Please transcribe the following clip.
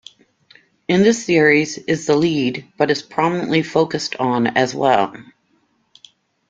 In this series, is the lead, but is prominently focused on as well.